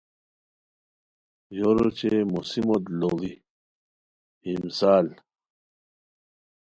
یور اوچے موسیموت لوڑی ہیم سال